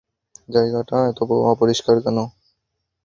জায়গাটা এতো অপরিষ্কার কেন?